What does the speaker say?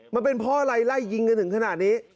มันเป็นเพราะอะไรไล่ยิงกันถึงขนาดนี้